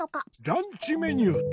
ランチメニューと。